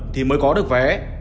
thì mới có được vé